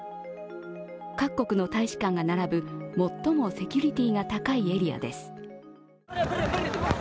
各国の大使館が並ぶ最もセキュリティーが高いエリアです。